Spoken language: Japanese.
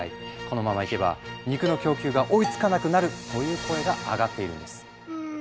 このままいけば肉の供給が追いつかなくなるという声が上がっているんです。